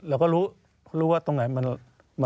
เราก็รู้รู้ว่าตรงไหนมัน